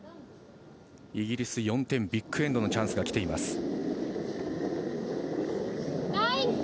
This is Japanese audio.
イギリス４点、ビッグ・エンドのチャンスが来ています。